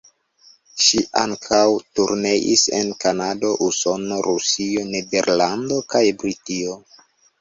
Ŝi ankaŭ turneis en Kanado, Usono, Rusio, Nederlando kaj Britio.